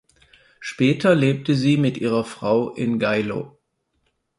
Später lebte sie mit ihrer Frau in Geilo.